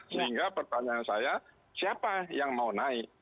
sehingga pertanyaan saya siapa yang mau naik